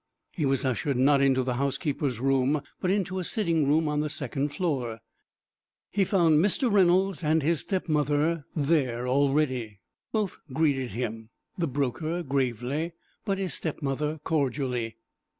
He was ushered not into the housekeeper's room, but into a sitting room on the second floor. He found Mr. Reynolds and his stepmother there already. Both greeted him, the broker gravely, but his stepmother cordially.